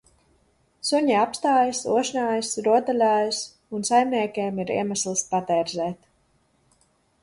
Suņi apstājas, ošņājas, rotaļājas, un saimniekiem ir iemesls patērzēt.